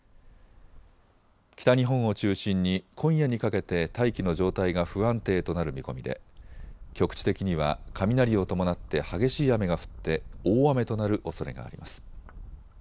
北日本を中心に今夜にかけて大気の状態が不安定となる見込みで局地的には雷を伴って激しい雨が降って大雨となるおそれがあります。